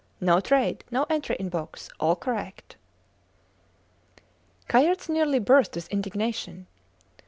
No trade, no entry in books: all correct. Kayerts nearly burst with indignation.